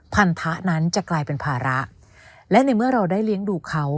พันธะนั้นจะกลายเป็นภาระและในเมื่อเราได้เลี้ยงดูเขา